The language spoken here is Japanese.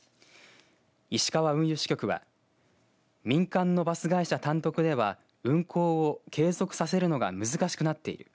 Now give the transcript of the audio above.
石川運輸支局は民間のバス会社単独では運行を継続するのが難しくなっている。